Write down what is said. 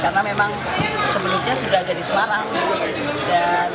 karena memang sebelumnya sudah ada di semarang